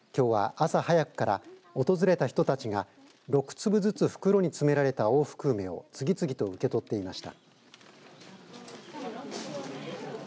きょうは、朝早くから訪れた人たちが６粒ずつ袋に詰められた大福梅を次々と受け取っていました。